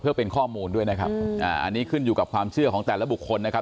เพื่อเป็นข้อมูลด้วยนะครับอ่าอันนี้ขึ้นอยู่กับความเชื่อของแต่ละบุคคลนะครับ